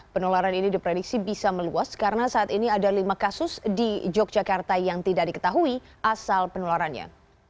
penularan ini diprediksi bisa meluas karena saat ini ada lima kasus di yogyakarta yang tidak diketahui asal penularannya